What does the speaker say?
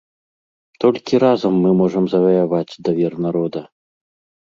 Толькі разам мы можам заваяваць давер народа.